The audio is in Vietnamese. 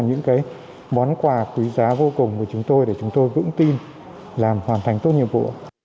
những món quà quý giá vô cùng của chúng tôi để chúng tôi vững tin làm hoàn thành tốt nhiệm vụ